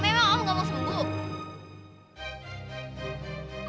memang om gak mau sembuh